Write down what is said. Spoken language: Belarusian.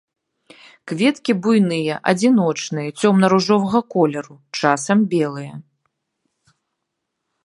Кветкі буйныя, адзіночныя, цёмна-ружовага колеру, часам белыя.